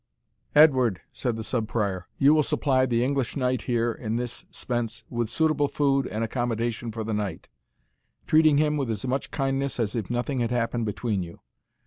"Edward," said the Sub Prior, "you will supply the English Knight here in this spence with suitable food and accommodation for the night, treating him with as much kindness as if nothing had happened between you.